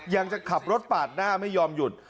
ยังจะขับรถปาดหน้าไม่ยอมหยุด